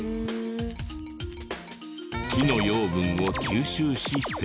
木の養分を吸収し成長。